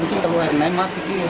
mungkin kalau air naik mati kiri